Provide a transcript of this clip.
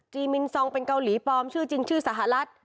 มินซองเป็นเกาหลีปลอมชื่อจริงชื่อสหรัฐ